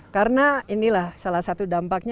karena inilah salah satu dampaknya